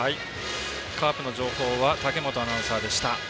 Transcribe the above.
カープの情報は武本アナウンサーでした。